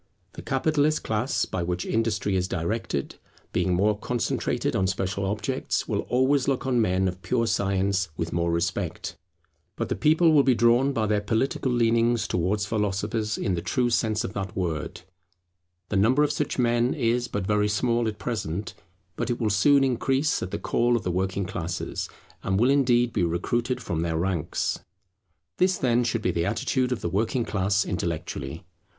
The Capitalist class by which industry is directed, being more concentrated on special objects, will always look on men of pure science with more respect. But the people will be drawn by their political leanings towards philosophers in the true sense of that word. The number of such men is but very small at present; but it will soon increase at the call of the working classes, and will indeed be recruited from their ranks. [Moral attitude of the people. The workman should regard himself as a public functionary] This, then, should be the attitude of the working class, intellectually.